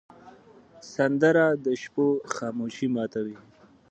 سندره د شپو خاموشي ماتوې